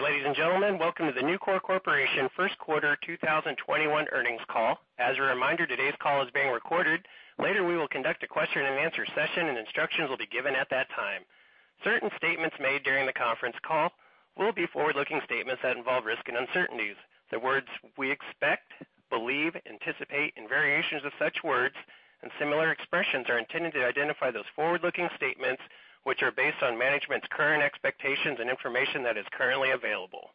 Good day, ladies and gentlemen. Welcome to the Nucor Corporation first quarter 2021 earnings call. As a reminder, today's call is being recorded. Later, we will conduct a question and answer session, and instructions will be given at that time. Certain statements made during the conference call will be forward-looking statements that involve risk and uncertainties. The words we expect, believe, anticipate, and variations of such words, and similar expressions are intended to identify those forward-looking statements, which are based on management's current expectations and information that is currently available.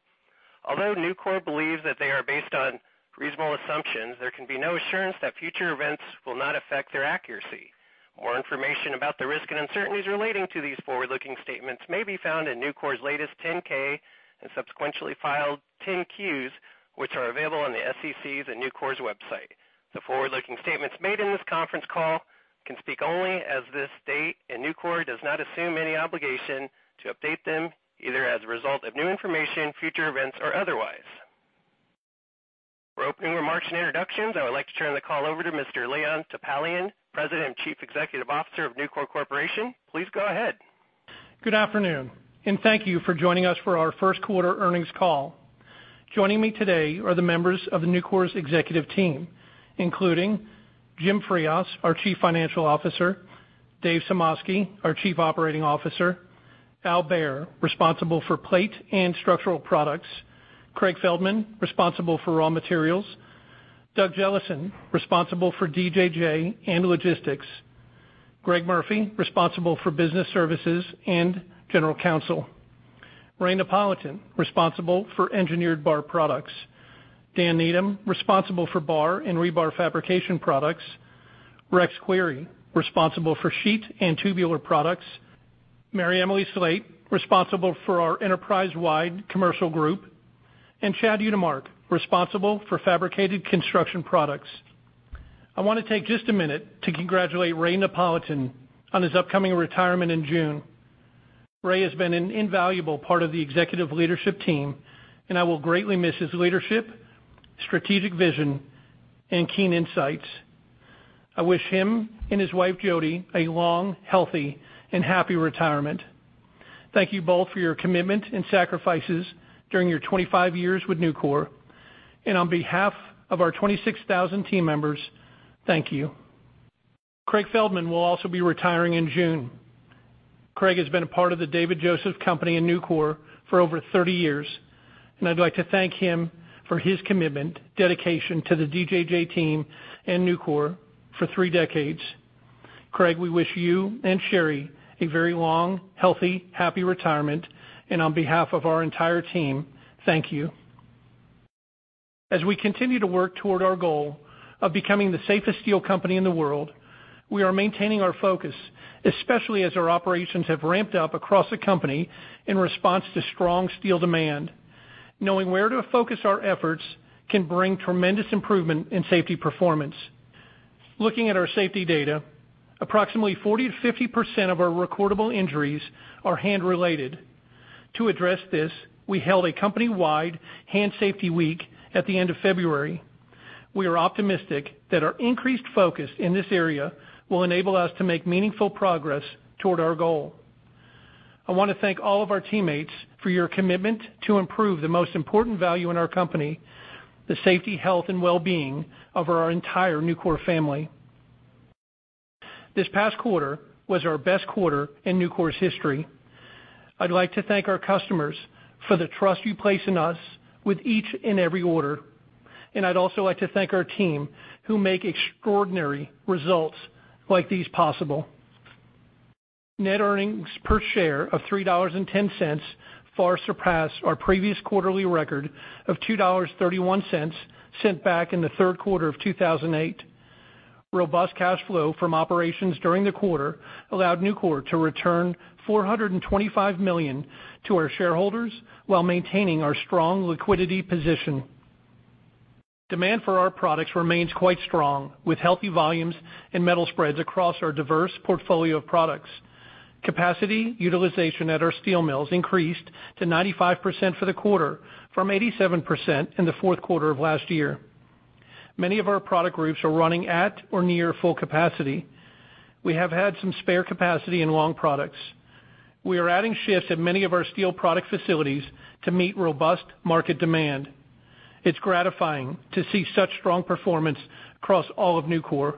Although Nucor believes that they are based on reasonable assumptions, there can be no assurance that future events will not affect their accuracy. More information about the risk and uncertainties relating to these forward-looking statements may be found in Nucor's latest 10-K, and subsequently filed 10-Qs, which are available on the SEC's and Nucor's website. The forward-looking statements made in this conference call can speak only as this date, and Nucor does not assume any obligation to update them, either as a result of new information, future events, or otherwise. For opening remarks and introductions, I would like to turn the call over to Mr. Leon Topalian, President and Chief Executive Officer of Nucor Corporation. Please go ahead. Good afternoon, and thank you for joining us for our first quarter earnings call. Joining me today are the members of Nucor's executive team, including Jim Frias, our Chief Financial Officer, Dave Sumoski, our Chief Operating Officer, Al Behr, responsible for Plate and Structural Products, Craig Feldman, responsible for Raw Materials, Doug Jellison, responsible for DJJ and logistics, Greg Murphy, responsible for Business Services and General Counsel, Ray Napolitan, responsible for Engineered Bar Products, Dan Needham, responsible for Bar and Rebar Fabrication Products, Rex Query, responsible for Sheet and Tubular Products, MaryEmily Slate, responsible for our enterprise-wide Commercial group, and Chad Utermark, responsible for Fabricated Construction Products. I want to take just a minute to congratulate Ray Napolitan on his upcoming retirement in June. Ray has been an invaluable part of the executive leadership team, and I will greatly miss his leadership, strategic vision, and keen insights. I wish him and his wife, Jodi, a long, healthy, and happy retirement. Thank you both for your commitment and sacrifices during your 25 years with Nucor. On behalf of our 26,000 team members, thank you. Craig Feldman will also be retiring in June. Craig has been a part of The David J. Joseph Company in Nucor for over 30 years. I'd like to thank him for his commitment, dedication to the DJJ team and Nucor for three decades. Craig, we wish you and Sherry a very long, healthy, happy retirement. On behalf of our entire team, thank you. As we continue to work toward our goal of becoming the safest steel company in the world, we are maintaining our focus, especially as our operations have ramped up across the company in response to strong steel demand. Knowing where to focus our efforts can bring tremendous improvement in safety performance. Looking at our safety data, approximately 40%-50% of our recordable injuries are hand-related. To address this, we held a company-wide hand safety week at the end of February. We are optimistic that our increased focus in this area will enable us to make meaningful progress toward our goal. I want to thank all of our teammates for your commitment to improve the most important value in our company, the safety, health, and well-being of our entire Nucor family. This past quarter was our best quarter in Nucor's history. I'd like to thank our customers for the trust you place in us with each and every order. I'd also like to thank our team, who make extraordinary results like these possible. Net earnings per share of $3.10 far surpassed our previous quarterly record of $2.31, set back in the third quarter of 2008. Robust cash flow from operations during the quarter allowed Nucor to return $425 million to our shareholders while maintaining our strong liquidity position. Demand for our products remains quite strong, with healthy volumes and metal spreads across our diverse portfolio of products. Capacity utilization at our steel mills increased to 95% for the quarter, from 87% in the fourth quarter of last year. Many of our product groups are running at or near full capacity. We have had some spare capacity in long products. We are adding shifts at many of our steel product facilities to meet robust market demand. It's gratifying to see such strong performance across all of Nucor.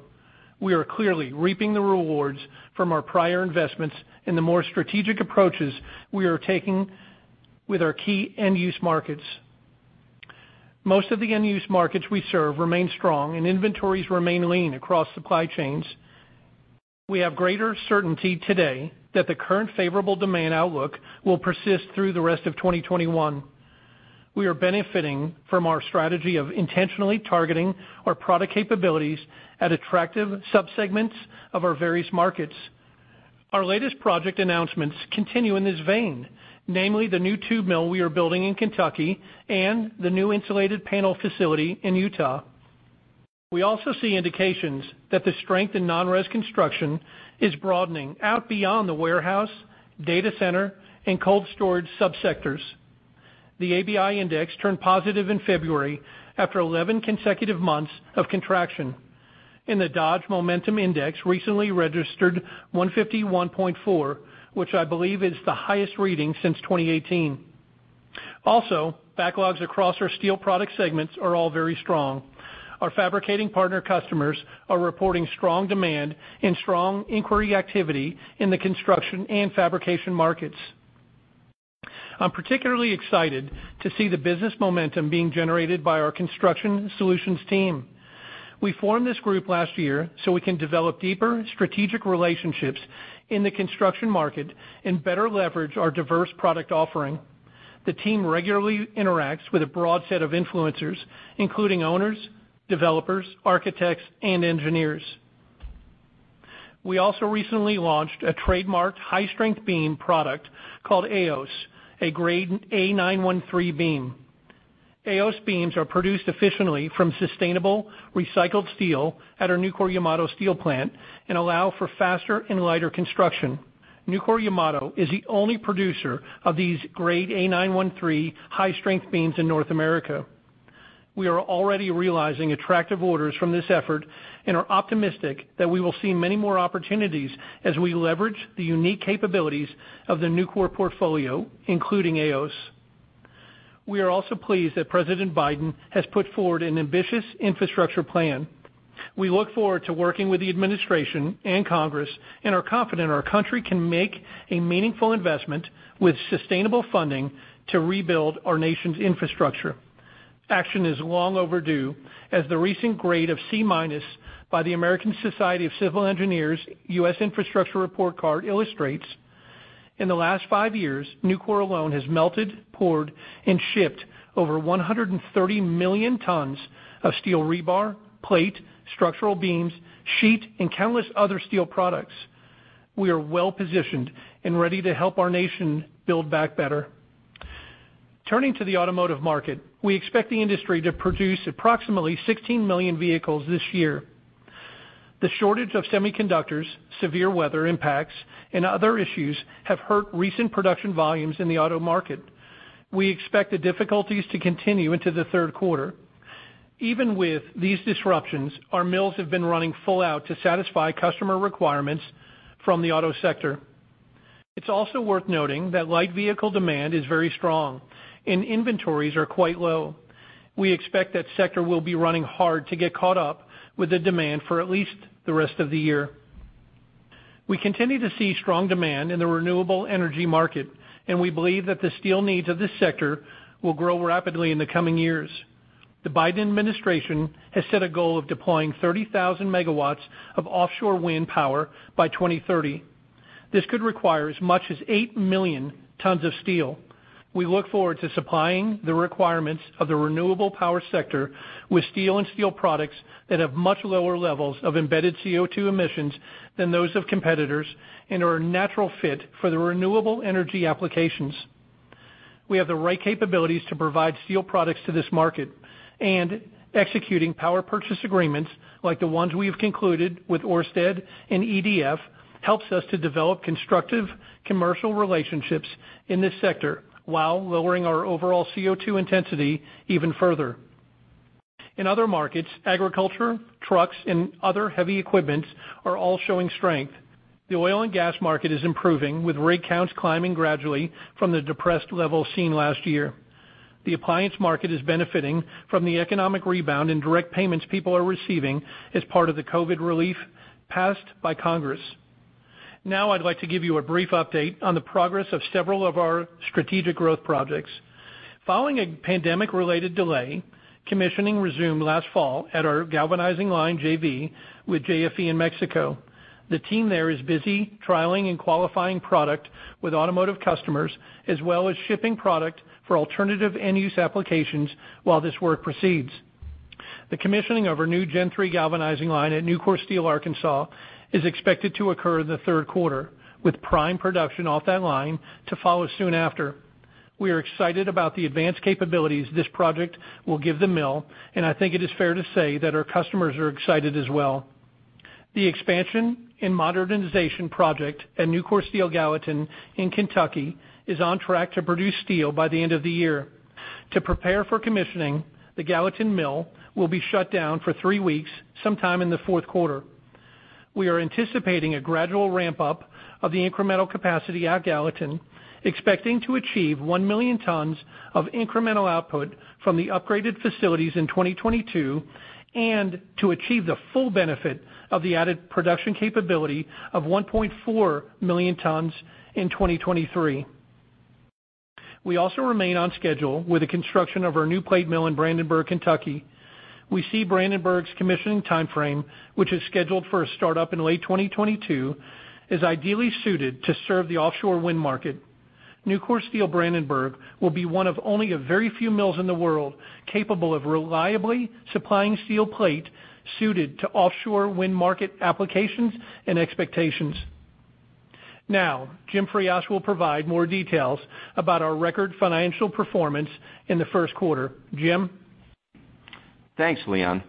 We are clearly reaping the rewards from our prior investments and the more strategic approaches we are taking with our key end-use markets. Most of the end-use markets we serve remain strong, and inventories remain lean across supply chains. We have greater certainty today that the current favorable demand outlook will persist through the rest of 2021. We are benefiting from our strategy of intentionally targeting our product capabilities at attractive subsegments of our various markets. Our latest project announcements continue in this vein, namely the new tube mill we are building in Kentucky and the new insulated panel facility in Utah. We also see indications that the strength in non-res construction is broadening out beyond the warehouse, data center, and cold storage subsectors. The ABI index turned positive in February after 11 consecutive months of contraction. The Dodge Momentum Index recently registered 151.4, which I believe is the highest reading since 2018. Backlogs across our steel product segments are all very strong. Our fabricating partner customers are reporting strong demand and strong inquiry activity in the construction and fabrication markets. I'm particularly excited to see the business momentum being generated by our Construction Solutions team. We formed this group last year so we can develop deeper strategic relationships in the construction market and better leverage our diverse product offering. The team regularly interacts with a broad set of influencers, including owners, developers, architects, and engineers. We also recently launched a trademarked high-strength beam product called Aeos, a Grade A913 beam. Aeos beams are produced efficiently from sustainable, recycled steel at our Nucor-Yamato Steel plant and allow for faster and lighter construction. Nucor-Yamato is the only producer of these Grade A913 high-strength beams in North America. We are already realizing attractive orders from this effort and are optimistic that we will see many more opportunities as we leverage the unique capabilities of the Nucor portfolio, including Aeos. We are also pleased that President Biden has put forward an ambitious infrastructure plan. We look forward to working with the administration and Congress and are confident our country can make a meaningful investment with sustainable funding to rebuild our nation's infrastructure. Action is long overdue, as the recent grade of C- by the American Society of Civil Engineers' U.S. Infrastructure Report Card illustrates. In the last five years, Nucor alone has melted, poured, and shipped over 130 million tons of steel rebar, plate, structural beams, sheet, and countless other steel products. We are well-positioned and ready to help our nation Build Back Better. Turning to the automotive market, we expect the industry to produce approximately 16 million vehicles this year. The shortage of semiconductors, severe weather impacts, and other issues have hurt recent production volumes in the auto market. We expect the difficulties to continue into the third quarter. Even with these disruptions, our mills have been running full out to satisfy customer requirements from the auto sector. It's also worth noting that light vehicle demand is very strong, and inventories are quite low. We expect that sector will be running hard to get caught up with the demand for at least the rest of the year. We continue to see strong demand in the renewable energy market, and we believe that the steel needs of this sector will grow rapidly in the coming years. The Biden administration has set a goal of deploying 30,000 MW of offshore wind power by 2030. This could require as much as 8 million tons of steel. We look forward to supplying the requirements of the renewable power sector with steel and steel products that have much lower levels of embedded CO2 emissions than those of competitors and are a natural fit for the renewable energy applications. We have the right capabilities to provide steel products to this market. Executing power purchase agreements, like the ones we have concluded with Ørsted and EDF, helps us to develop constructive commercial relationships in this sector while lowering our overall CO2 intensity even further. In other markets, agriculture, trucks, and other heavy equipments are all showing strength. The oil and gas market is improving, with rig counts climbing gradually from the depressed level seen last year. The appliance market is benefiting from the economic rebound and direct payments people are receiving as part of the COVID relief passed by Congress. I'd like to give you a brief update on the progress of several of our strategic growth projects. Following a pandemic-related delay, commissioning resumed last fall at our galvanizing line JV with JFE in Mexico. The team there is busy trialing and qualifying product with automotive customers as well as shipping product for alternative end-use applications while this work proceeds. The commissioning of our new Gen 3 galvanizing line at Nucor Steel Arkansas is expected to occur in the third quarter, with prime production off that line to follow soon after. We are excited about the advanced capabilities this project will give the mill, and I think it is fair to say that our customers are excited as well. The expansion and modernization project at Nucor Steel Gallatin in Kentucky is on track to produce steel by the end of the year. To prepare for commissioning, the Gallatin mill will be shut down for three weeks sometime in the fourth quarter. We are anticipating a gradual ramp-up of the incremental capacity at Gallatin, expecting to achieve 1 million tons of incremental output from the upgraded facilities in 2022 and to achieve the full benefit of the added production capability of 1.4 million tons in 2023. We also remain on schedule with the construction of our new plate mill in Brandenburg, Kentucky. We see Brandenburg's commissioning timeframe, which is scheduled for a startup in late 2022, as ideally suited to serve the offshore wind market. Nucor Steel Brandenburg will be one of only a very few mills in the world capable of reliably supplying steel plate suited to offshore wind market applications and expectations. Jim Frias will provide more details about our record financial performance in the first quarter. Jim? Thanks, Leon.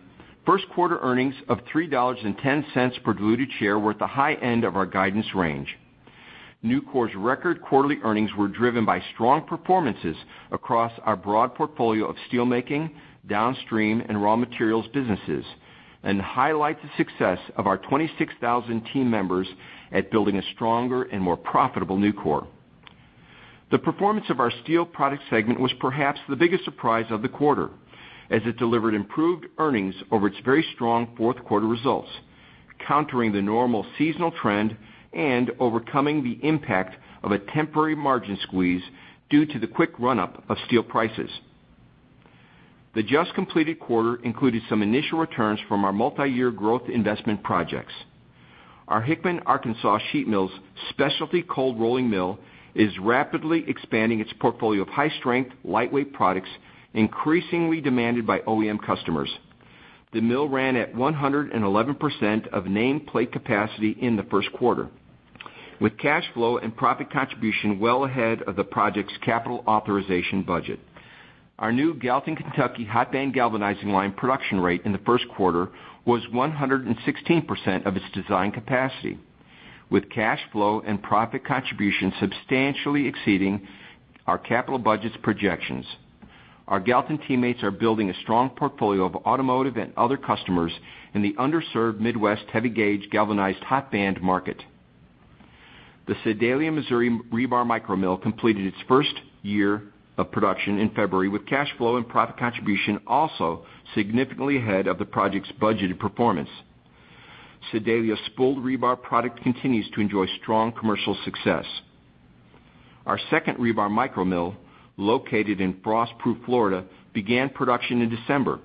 First quarter earnings of $3.10 per diluted share were at the high end of our guidance range. Nucor's record quarterly earnings were driven by strong performances across our broad portfolio of steel making, downstream, and raw materials businesses, and highlight the success of our 26,000 team members at building a stronger and more profitable Nucor. The performance of our steel products segment was perhaps the biggest surprise of the quarter, as it delivered improved earnings over its very strong fourth quarter results, countering the normal seasonal trend and overcoming the impact of a temporary margin squeeze due to the quick run-up of steel prices. The just completed quarter included some initial returns from our multi-year growth investment projects. Our Hickman, Arkansas sheet mill's specialty cold rolling mill is rapidly expanding its portfolio of high-strength, lightweight products increasingly demanded by OEM customers. The mill ran at 111% of nameplate capacity in the first quarter, with cash flow and profit contribution well ahead of the project's capital authorization budget. Our new Gallatin, Kentucky, hot band galvanizing line production rate in the first quarter was 116% of its design capacity, with cash flow and profit contribution substantially exceeding our capital budget's projections. Our Gallatin teammates are building a strong portfolio of automotive and other customers in the underserved Midwest heavy-gauge galvanized hot band market. The Sedalia, Missouri rebar micro mill completed its first year of production in February, with cash flow and profit contribution also significantly ahead of the project's budgeted performance. Sedalia's spooled rebar product continues to enjoy strong commercial success. Our second rebar micro mill, located in Frostproof, Florida, began production in December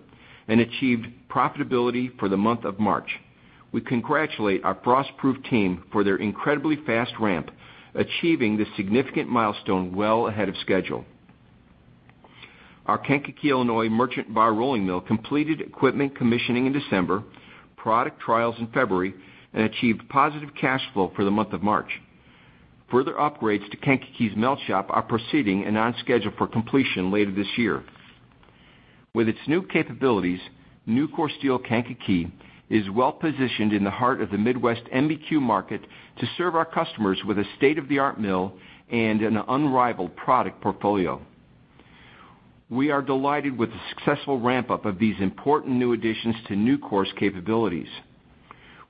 and achieved profitability for the month of March. We congratulate our Frostproof team for their incredibly fast ramp, achieving this significant milestone well ahead of schedule. Our Kankakee, Illinois merchant bar rolling mill completed equipment commissioning in December, product trials in February, and achieved positive cash flow for the month of March. Further upgrades to Kankakee's melt shop are proceeding and on schedule for completion later this year. With its new capabilities, Nucor Steel Kankakee is well-positioned in the heart of the Midwest MBQ market to serve our customers with a state-of-the-art mill and an unrivaled product portfolio. We are delighted with the successful ramp-up of these important new additions to Nucor's capabilities.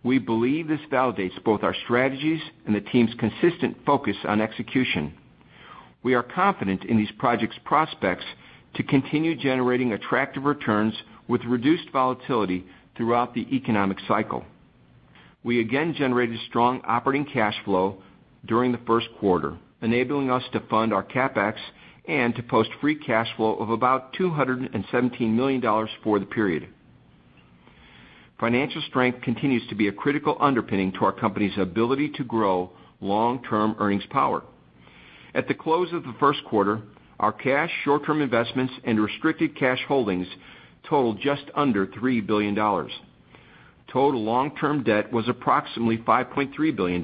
We believe this validates both our strategies and the team's consistent focus on execution. We are confident in these projects' prospects to continue generating attractive returns with reduced volatility throughout the economic cycle. We again generated strong operating cash flow during the first quarter, enabling us to fund our CapEx and to post free cash flow of about $217 million for the period. Financial strength continues to be a critical underpinning to our company's ability to grow long-term earnings power. At the close of the first quarter, our cash, short-term investments, and restricted cash holdings totaled just under $3 billion. Total long-term debt was approximately $5.3 billion.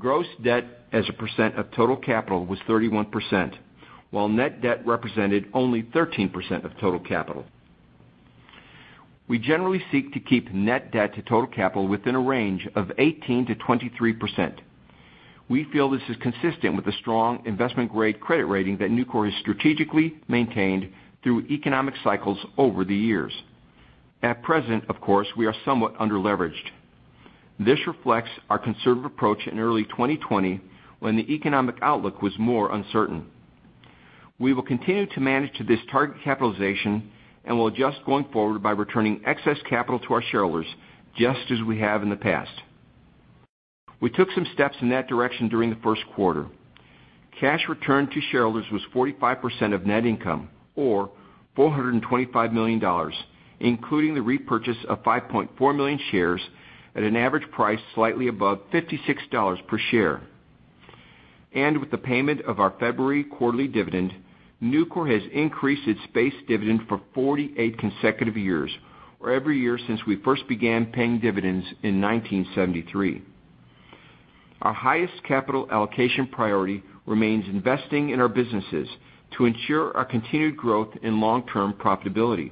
Gross debt as a percent of total capital was 31%, while net debt represented only 13% of total capital. We generally seek to keep net debt to total capital within a range of 18%-23%. We feel this is consistent with the strong investment-grade credit rating that Nucor has strategically maintained through economic cycles over the years. At present, of course, we are somewhat under-leveraged. This reflects our conservative approach in early 2020, when the economic outlook was more uncertain. We will continue to manage to this target capitalization and will adjust going forward by returning excess capital to our shareholders, just as we have in the past. We took some steps in that direction during the first quarter. Cash returned to shareholders was 45% of net income, or $425 million, including the repurchase of 5.4 million shares at an average price slightly above $56 per share. With the payment of our February quarterly dividend, Nucor has increased its base dividend for 48 consecutive years, or every year since we first began paying dividends in 1973. Our highest capital allocation priority remains investing in our businesses to ensure our continued growth and long-term profitability.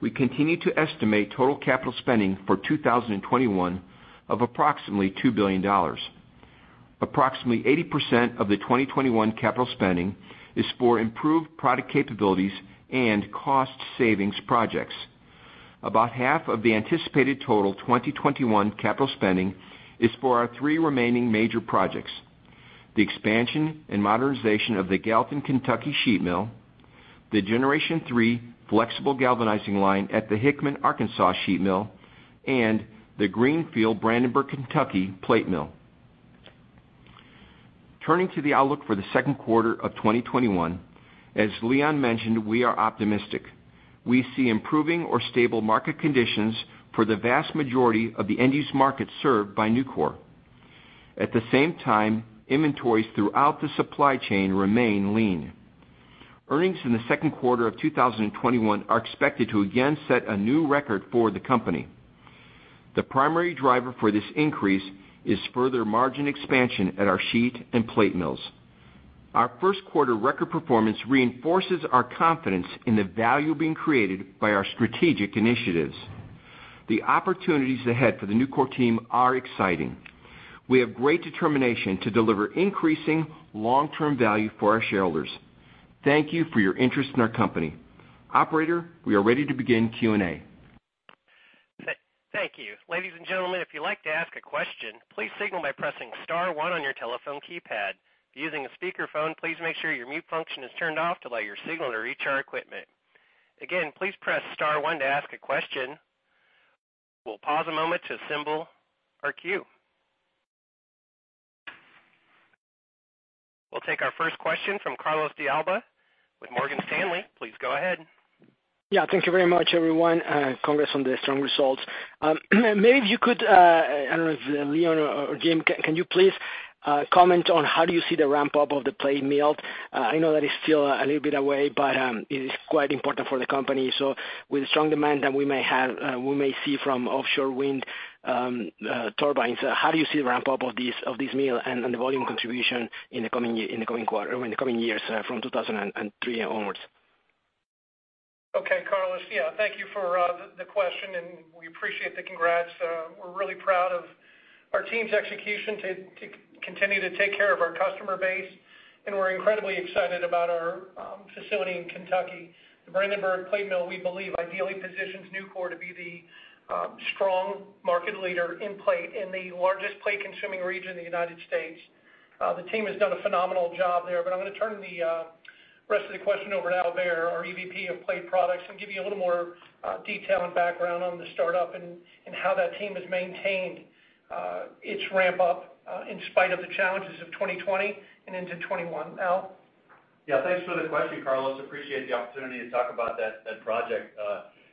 We continue to estimate total capital spending for 2021 of approximately $2 billion. Approximately 80% of the 2021 capital spending is for improved product capabilities and cost savings projects. About half of the anticipated total 2021 capital spending is for our three remaining major projects: the expansion and modernization of the Gallatin, Kentucky sheet mill, the Generation 3 flexible galvanizing line at the Hickman, Arkansas sheet mill, and the greenfield Brandenburg, Kentucky plate mill. Turning to the outlook for the second quarter of 2021, as Leon mentioned, we are optimistic. We see improving or stable market conditions for the vast majority of the end-use markets served by Nucor. At the same time, inventories throughout the supply chain remain lean. Earnings in the second quarter of 2021 are expected to again set a new record for the company. The primary driver for this increase is further margin expansion at our sheet and plate mills. Our first quarter record performance reinforces our confidence in the value being created by our strategic initiatives. The opportunities ahead for the Nucor team are exciting. We have great determination to deliver increasing long-term value for our shareholders. Thank you for your interest in our company. Operator, we are ready to begin Q&A. Thank you. Ladies and gentlemen, if you'd like to ask a question, please signal by pressing star one on your telephone keypad. If you're using a speakerphone, please make sure your mute function is turned off to allow your signal to reach our equipment. Again, please press star one to ask a question. We'll pause a moment to assemble our queue. We'll take our first question from Carlos de Alba with Morgan Stanley. Please go ahead. Yeah. Thank you very much, everyone. Congrats on the strong results. Maybe if you could, I don't know if Leon or Jim, can you please comment on how do you see the ramp-up of the plate mill? I know that it's still a little bit away, but it is quite important for the company. With the strong demand that we may see from offshore wind turbines, how do you see the ramp-up of this mill and the volume contribution in the coming years from 2023 onwards? Okay. Carlos, yeah. Thank you for the question, we appreciate the congrats. We're really proud of our team's execution to continue to take care of our customer base, we're incredibly excited about our facility in Kentucky. The Brandenburg plate mill, we believe, ideally positions Nucor to be the strong market leader in plate in the largest plate-consuming region in the U.S. The team has done a phenomenal job there. I'm going to turn the rest of the question over to Al Behr, our EVP of Plate Products, and give you a little more detail and background on the startup and how that team has maintained its ramp-up in spite of the challenges of 2020 and into 2021. Al? Yeah, thanks for the question, Carlos. Appreciate the opportunity to talk about that project.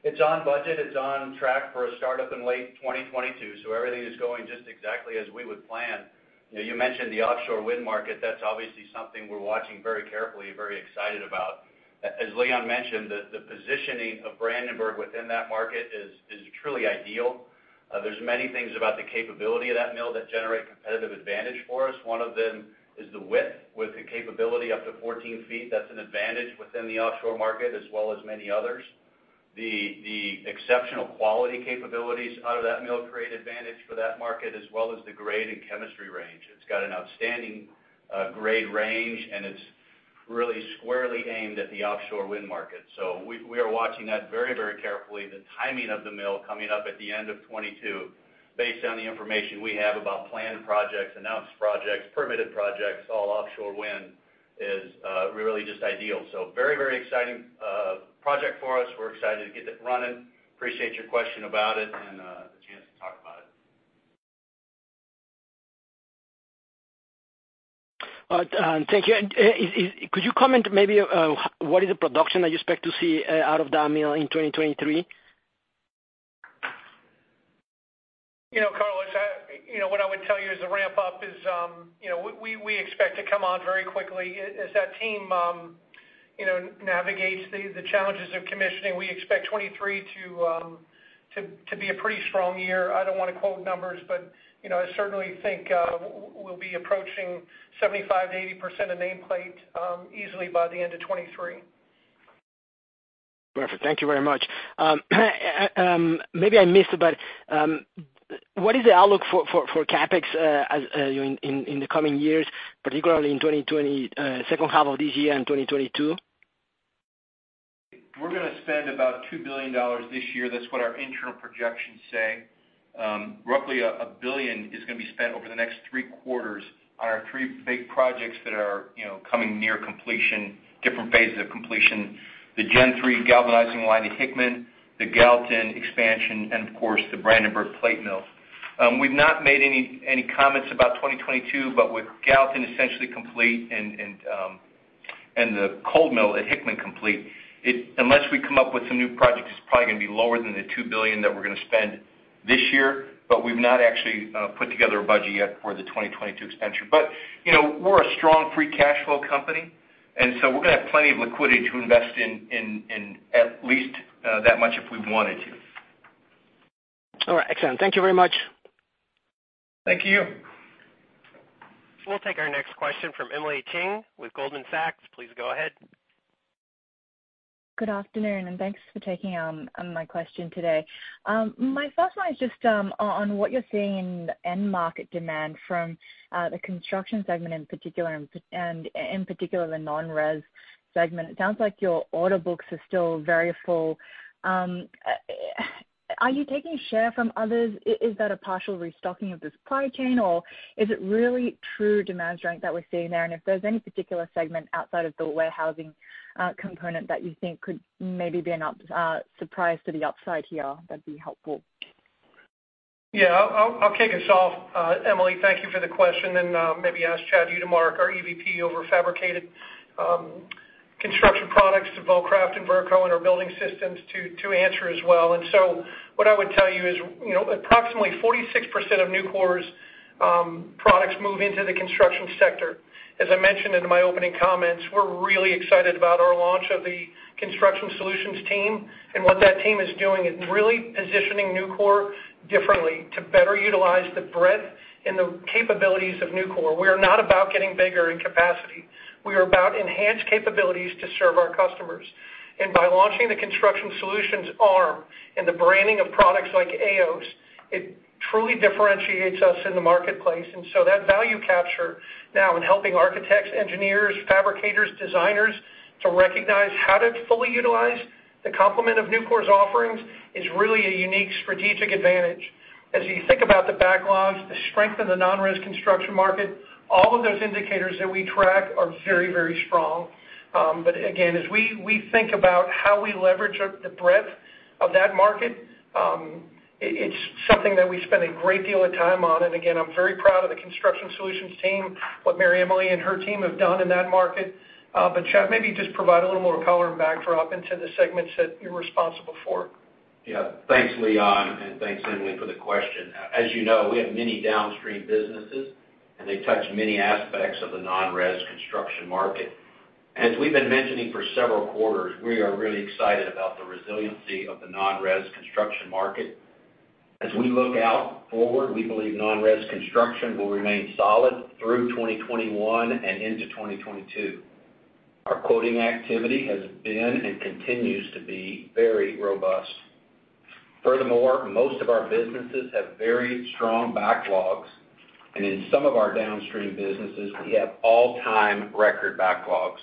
It's on budget. It's on track for a startup in late 2022. Everything is going just exactly as we would plan. You mentioned the offshore wind market. That's obviously something we're watching very carefully, very excited about. As Leon mentioned, the positioning of Brandenburg within that market is truly ideal. There's many things about the capability of that mill that generate competitive advantage for us. One of them is the width, with the capability up to 14 ft. That's an advantage within the offshore market as well as many others. The exceptional quality capabilities out of that mill create advantage for that market, as well as the grade and chemistry range. It's got an outstanding grade range, and it's really squarely aimed at the offshore wind market. We are watching that very carefully. The timing of the mill coming up at the end of 2022, based on the information we have about planned projects, announced projects, permitted projects, all offshore wind, is really just ideal. Very exciting project for us. We're excited to get it running. Appreciate your question about it and the chance to talk about it. Thank you. Could you comment maybe what is the production that you expect to see out of that mill in 2023? Carlos, what I would tell you is the ramp-up is we expect to come on very quickly. As that team navigates the challenges of commissioning, we expect 2023 to be a pretty strong year. I don't want to quote numbers, but I certainly think we'll be approaching 75%-80% of nameplate easily by the end of 2023. Perfect. Thank you very much. Maybe I missed it, but what is the outlook for CapEx in the coming years, particularly in second half of this year and 2022? We're going to spend about $2 billion this year. That's what our internal projections say. Roughly $1 billion is going to be spent over the next three quarters on our three big projects that are coming near completion, different phases of completion. The Gen 3 galvanizing line at Hickman, the Gallatin expansion, and of course, the Brandenburg plate mill. We've not made any comments about 2022, with Gallatin essentially complete and the cold mill at Hickman complete, unless we come up with some new projects, it's probably going to be lower than the $2 billion that we're going to spend this year. We've not actually put together a budget yet for the 2022 expenditure. We're a strong free cash flow company, we're going to have plenty of liquidity to invest in at least that much if we wanted to. All right. Excellent. Thank you very much. Thank you. We'll take our next question from Emily Chieng with Goldman Sachs. Please go ahead. Good afternoon, and thanks for taking my question today. My first one is just on what you're seeing in end market demand from the construction segment and in particular, the non-res segment. It sounds like your order books are still very full. Are you taking share from others? Is that a partial restocking of the supply chain, or is it really true demand strength that we're seeing there? If there's any particular segment outside of the warehousing component that you think could maybe be a surprise to the upside here, that'd be helpful. I'll kick us off, Emily. Thank you for the question, and maybe ask Chad Utermark, our EVP over Fabricated Construction Products of Vulcraft and Verco and our building systems to answer as well. What I would tell you is approximately 46% of Nucor's products move into the construction sector. As I mentioned in my opening comments, we're really excited about our launch of the Construction Solutions team and what that team is doing is really positioning Nucor differently to better utilize the breadth and the capabilities of Nucor. We are not about getting bigger in capacity. We are about enhanced capabilities to serve our customers. By launching the Construction Solutions arm and the branding of products like Aeos, it truly differentiates us in the marketplace. That value capture now in helping architects, engineers, fabricators, designers to recognize how to fully utilize the complement of Nucor's offerings is really a unique strategic advantage. As you think about the backlogs, the strength of the non-res construction market, all of those indicators that we track are very strong. Again, as we think about how we leverage the breadth of that market, it's something that we spend a great deal of time on. Again, I'm very proud of the Construction Solutions team, what MaryEmily and her team have done in that market. Chad, maybe just provide a little more color and backdrop into the segments that you're responsible for. Yeah. Thanks, Leon, and thanks Emily for the question. As you know, we have many downstream businesses and they touch many aspects of the non-res construction market. As we've been mentioning for several quarters, we are really excited about the resiliency of the non-res construction market. As we look out forward, we believe non-res construction will remain solid through 2021 and into 2022. Our quoting activity has been and continues to be very robust. Furthermore, most of our businesses have very strong backlogs, and in some of our downstream businesses, we have all-time record backlogs.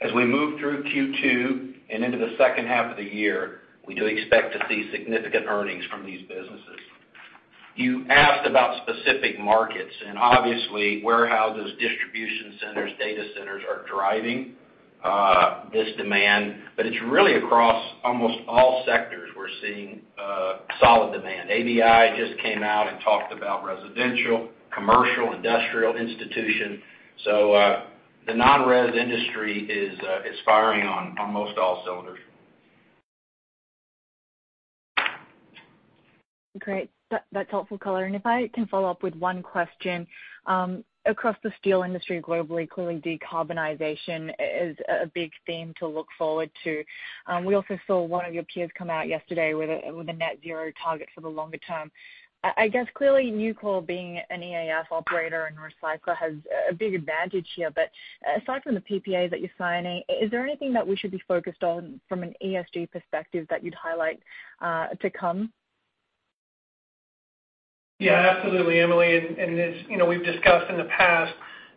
As we move through Q2 and into the second half of the year, we do expect to see significant earnings from these businesses. You asked about specific markets, obviously warehouses, distribution centers, data centers are driving this demand. It's really across almost all sectors we're seeing solid demand. ABI just came out and talked about residential, commercial, industrial, institution. The non-res industry is firing on almost all cylinders. Great. That's helpful color. If I can follow up with one question. Across the steel industry globally, clearly decarbonization is a big theme to look forward to. We also saw one of your peers come out yesterday with a net-zero target for the longer term. I guess, clearly Nucor being an EAF operator and recycler has a big advantage here. Aside from the PPAs that you're signing, is there anything that we should be focused on from an ESG perspective that you'd highlight to come? Yeah, absolutely, Emily. As we've discussed in the past,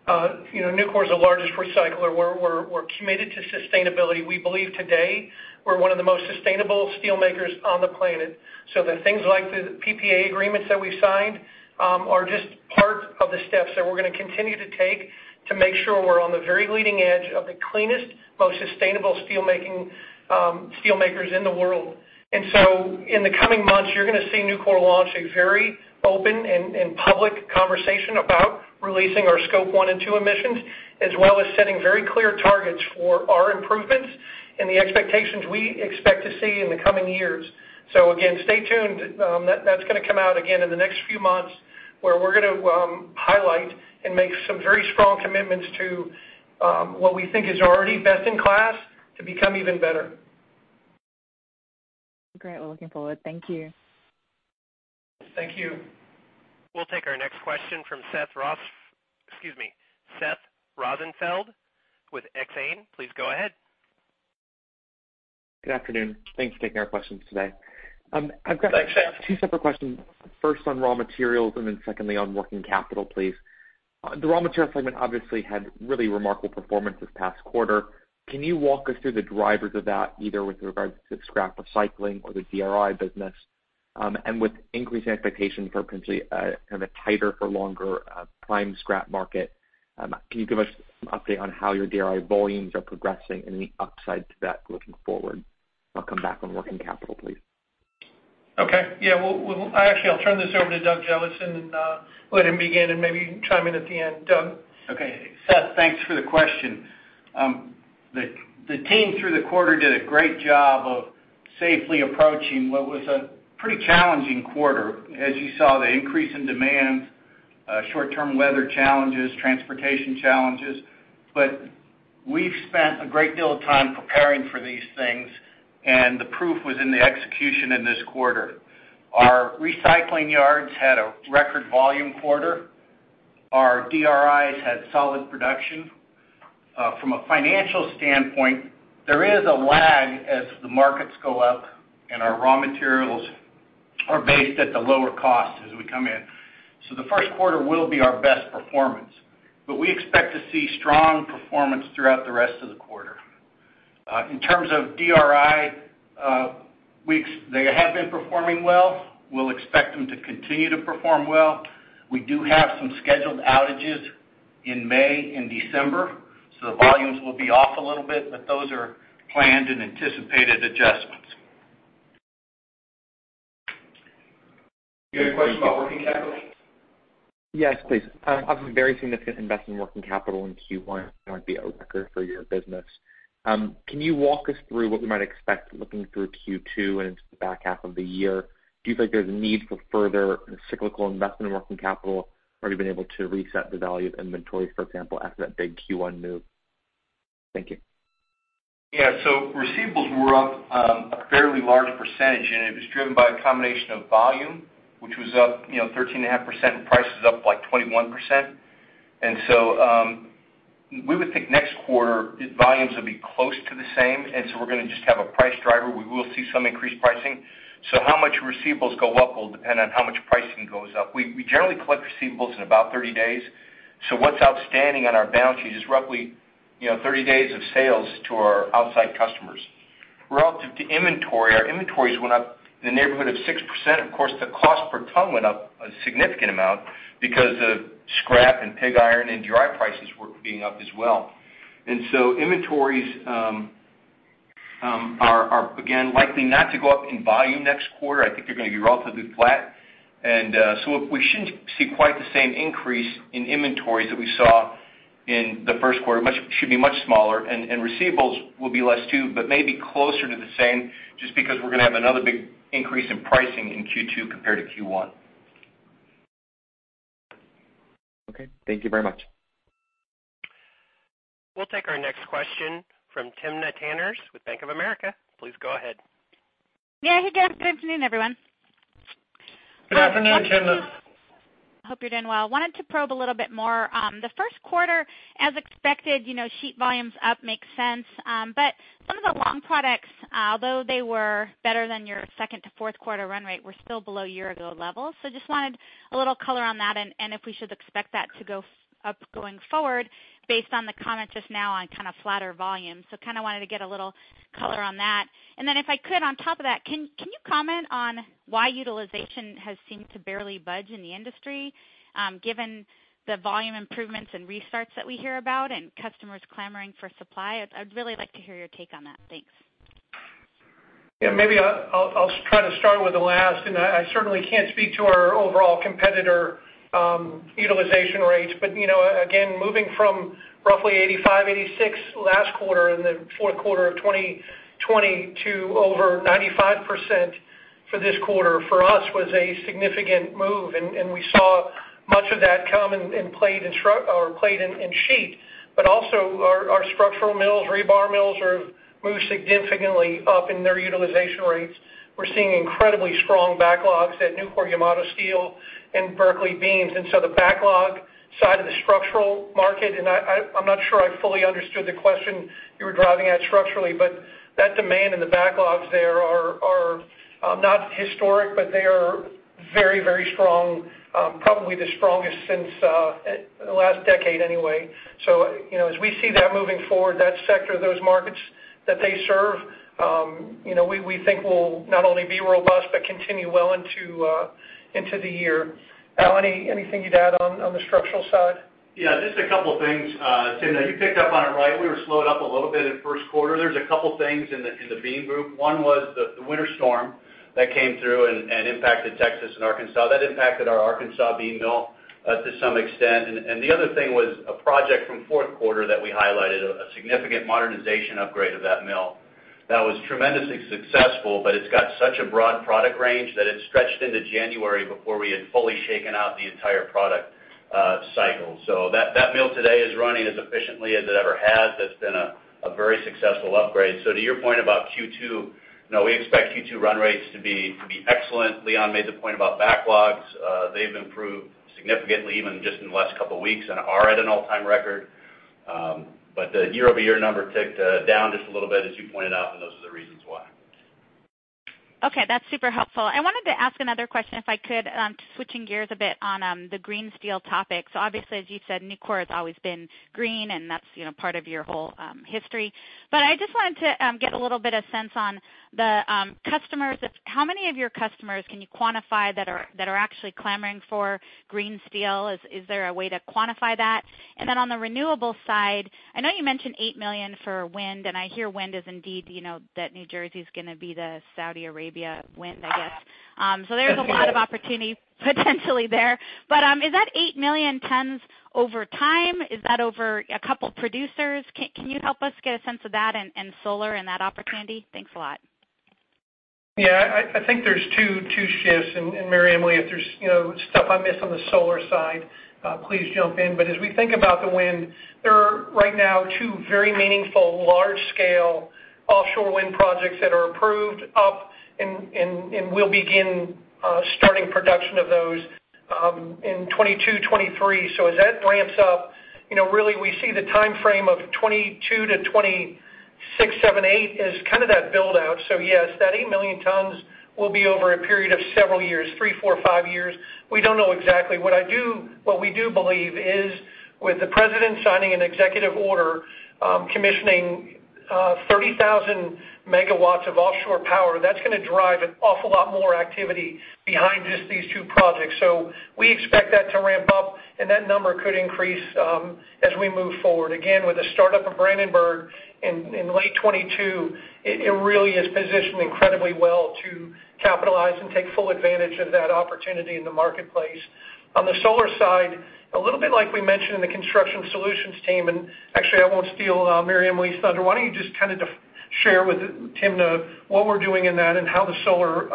Nucor is the largest recycler. We're committed to sustainability. We believe today we're one of the most sustainable steel makers on the planet, so that things like the PPA agreements that we've signed are just part of the steps that we're going to continue to take to make sure we're on the very leading edge of the cleanest, most sustainable steel makers in the world. In the coming months, you're going to see Nucor launch a very open and public conversation about releasing our Scope 1 and Scope 2 emissions, as well as setting very clear targets for our improvements and the expectations we expect to see in the coming years. Again, stay tuned. That's going to come out again in the next few months, where we're going to highlight and make some very strong commitments to what we think is already best in class to become even better. Great. We're looking forward. Thank you. Thank you. We'll take our next question from excuse me, Seth Rosenfeld with Exane. Please go ahead. Good afternoon. Thanks for taking our questions today. Thanks, Seth. I've got two separate questions. First on raw materials, then secondly on working capital, please. The raw material segment obviously had really remarkable performance this past quarter. Can you walk us through the drivers of that, either with regards to scrap recycling or the DRI business? With increased expectations for potentially kind of a tighter for longer prime scrap market, can you give us some update on how your DRI volumes are progressing and any upside to that looking forward? I'll come back on working capital, please. Okay. Yeah. Actually, I'll turn this over to Doug Jellison and let him begin and maybe chime in at the end. Doug? Okay. Seth, thanks for the question. The team through the quarter did a great job of safely approaching what was a pretty challenging quarter. As you saw the increase in demand, short-term weather challenges, transportation challenges. We've spent a great deal of time preparing for these things, and the proof was in the execution in this quarter. Our recycling yards had a record volume quarter. Our DRIs had solid production. From a financial standpoint, there is a lag as the markets go up and our raw materials are based at the lower cost as we come in. The first quarter will be our best performance. We expect to see strong performance throughout the rest of the quarter. In terms of DRI, they have been performing well. We'll expect them to continue to perform well. We do have some scheduled outages in May and December, so the volumes will be off a little bit, but those are planned and anticipated adjustments. You had a question about working capital? Yes, please. Very significant investment in working capital in Q1 might be a record for your business. Can you walk us through what we might expect looking through Q2 and into the back half of the year? Do you feel like there's a need for further cyclical investment in working capital? Have you been able to reset the value of inventories, for example, after that big Q1 move? Thank you. Yeah. Receivables were up a fairly large percentage, and it was driven by a combination of volume, which was up 13.5%, and prices up like 21%. We would think next quarter volumes will be close to the same, and so we're going to just have a price driver. We will see some increased pricing. How much receivables go up will depend on how much pricing goes up. We generally collect receivables in about 30 days. What's outstanding on our balance sheet is roughly 30 days of sales to our outside customers. Relative to inventory, our inventories went up in the neighborhood of 6%. Of course, the cost per ton went up a significant amount because of scrap and pig iron and DRI prices were being up as well. Inventories are, again, likely not to go up in volume next quarter. I think they're going to be relatively flat. We shouldn't see quite the same increase in inventories that we saw in the first quarter. Should be much smaller. Receivables will be less too, maybe closer to the same, just because we're going to have another big increase in pricing in Q2 compared to Q1. Okay. Thank you very much. We'll take our next question from Timna Tanners with Bank of America. Please go ahead. Yeah. Hey, good afternoon, everyone. Good afternoon, Timna. Hope you're doing well. I wanted to probe a little bit more. The first quarter as expected, sheet volumes up, makes sense. Some of the long products, although they were better than your second to fourth quarter run rate, were still below year-ago levels. I just wanted a little color on that, and if we should expect that to go up going forward based on the comment just now on kind of flatter volume. I kind of wanted to get a little color on that. If I could on top of that, can you comment on why utilization has seemed to barely budge in the industry? Given the volume improvements and restarts that we hear about and customers clamoring for supply, I'd really like to hear your take on that. Thanks. Yeah, maybe I'll try to start with the last. I certainly can't speak to our overall competitor utilization rates. Again, moving from roughly 85%, 86% last quarter in the fourth quarter of 2020 to over 95% for this quarter for us was a significant move. We saw much of that come in plate and sheet. Also our structural mills, rebar mills have moved significantly up in their utilization rates. We're seeing incredibly strong backlogs at Nucor-Yamato Steel and Berkeley beams. The backlog side of the structural market, I'm not sure I fully understood the question you were driving at structurally, that demand and the backlogs there are not historic, they are very strong. Probably the strongest since the last decade anyway. As we see that moving forward, that sector, those markets that they serve, we think will not only be robust but continue well into the year. Al, anything you'd add on the structural side? Just a couple of things. Timna, you picked up on it right. We were slowed up a little bit in the first quarter. There's a couple things in the beam group. One was the winter storm that came through and impacted Texas and Arkansas. That impacted our Arkansas beam mill to some extent. The other thing was a project from the fourth quarter that we highlighted, a significant modernization upgrade of that mill. That was tremendously successful, but it's got such a broad product range that it stretched into January before we had fully shaken out the entire product cycle. That mill today is running as efficiently as it ever has. That's been a very successful upgrade. To your point about Q2, we expect Q2 run rates to be excellent. Leon made the point about backlogs. They've improved significantly even just in the last couple of weeks and are at an all-time record. The year-over-year number ticked down just a little bit, as you pointed out, and those are the reasons why. Okay. That's super helpful. I wanted to ask another question, if I could, switching gears a bit on the green steel topic. Obviously, as you said, Nucor has always been green, and that's part of your whole history. I just wanted to get a little bit of sense on the customers. How many of your customers can you quantify that are actually clamoring for green steel? Is there a way to quantify that? On the renewable side, I know you mentioned 8 million for wind, and I hear wind is indeed that New Jersey is going to be the Saudi Arabia wind, I guess. There's a lot of opportunity potentially there. Is that 8 million tons over time? Is that over a couple of producers? Can you help us get a sense of that and solar and that opportunity? Thanks a lot. Yeah, I think there's two shifts. MaryEmily, if there's stuff I miss on the solar side, please jump in. As we think about the wind, there are right now two very meaningful large-scale offshore wind projects that are approved up and we'll begin starting production of those in 2022, 2023. As that ramps up, really we see the timeframe of 2022-2026, 2027-2028 as kind of that build-out. Yes, that 8 million tons will be over a period of several years, three, four, five years. We don't know exactly. What we do believe is with the President signing an executive order commissioning 30,000 MW of offshore power, that's going to drive an awful lot more activity behind just these two projects. We expect that to ramp up, and that number could increase as we move forward. With the startup of Brandenburg in late 2022, it really is positioned incredibly well to capitalize and take full advantage of that opportunity in the marketplace. On the solar side, a little bit like we mentioned in the Construction Solutions team, and actually, I won't steal MaryEmily's thunder. Why don't you just share with Timna what we're doing in that and how the solar